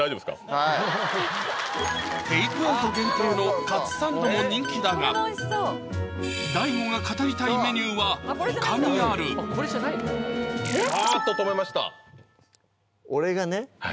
はいテイクアウト限定のカツサンドも人気だがＤＡＩＧＯが語りたいメニューは他にあるあっと止めました俺がね